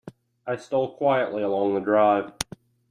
I stole quietly along the drive.